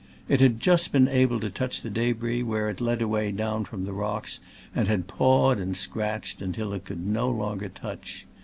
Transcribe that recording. It had just been able to touch the debris where it led away down from the rocks, and had pawed and scratched until it could no longer touch.